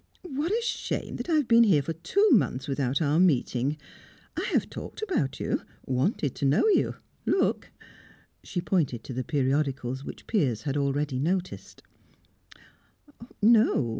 What a shame that I have been here for two months without our meeting! I have talked about you wanted to know you. Look!" She pointed to the periodicals which Piers had already noticed.